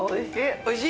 おいしい！